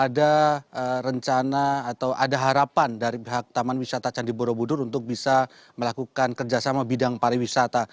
ada rencana atau ada harapan dari pihak taman wisata candi borobudur untuk bisa melakukan kerjasama bidang pariwisata